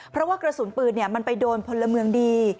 เพราะว่ากระสุนปืนมันไปโดนพลเมืองดี